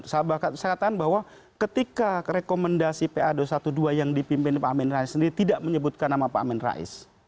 saya katakan bahwa ketika rekomendasi pa dua ratus dua belas yang dipimpin pak amin rais sendiri tidak menyebutkan nama pak amin rais